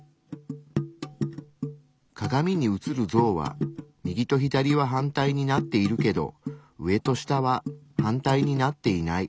鏡に映る像は右と左は反対になっているけど上と下は反対になっていない。